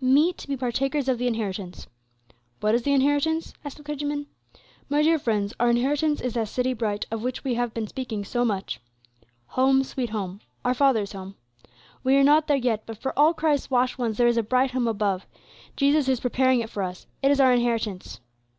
"'Meet to be partakers of the inheritance.' What is the inheritance?" asked the clergyman. "My dear friends, our inheritance is that city bright of which we have been speaking so much, 'Home, sweet Home,' our Father's home. We are not there yet, but for all Christ's washed ones there is a bright home above. Jesus is preparing it for us; it is our inheritance.